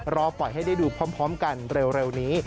รอปล่อยให้ได้ดูพร้อมกันเร็วนี้